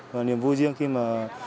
và niềm vui riêng khi mà